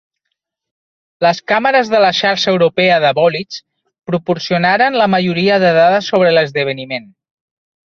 Les càmeres de la Xarxa Europea de Bòlids proporcionaren la majoria de dades sobre l'esdeveniment.